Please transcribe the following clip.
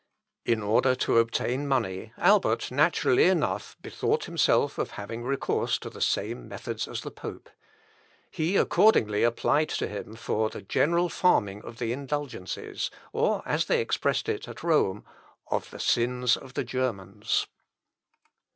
In order to obtain money, Albert, naturally enough, bethought himself of having recourse to the same methods as the pope. He accordingly applied to him for the general farming of the indulgences, or, as they expressed it at Rome, "of the sins of the Germans."